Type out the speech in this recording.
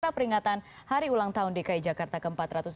pada peringatan hari ulang tahun dki jakarta ke empat ratus delapan puluh sembilan